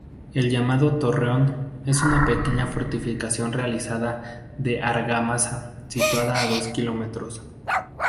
El Llamado "Torreón" es una pequeña fortificación realizada de argamasa, situada a dos kilómetros.